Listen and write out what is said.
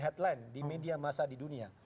headline di media masa di dunia